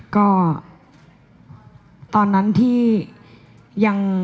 ก็ตอนนั้นที่ยัง